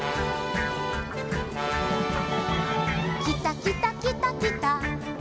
「きたきたきたきた」